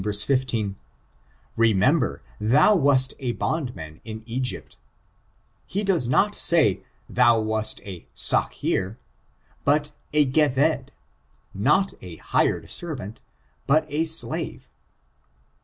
15,) "Remember thou wast a bondman in £gypt," he does not say thou wast a aacJ^eerf but a gehved ; not a hired servant, but a slave.